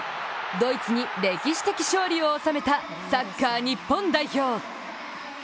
ドイツに歴史的勝利を収めたサッカー日本代表。